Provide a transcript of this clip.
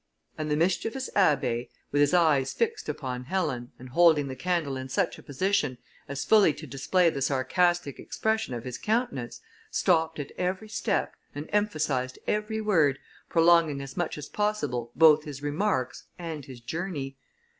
And the mischievous Abbé, with his eyes fixed upon Helen, and holding the candle in such a position as fully to display the sarcastic expression of his countenance, stopped at every step, and emphasized every word, prolonging as much as possible both his remarks and his journey.